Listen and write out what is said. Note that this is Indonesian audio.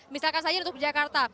misalkan saja untuk jakarta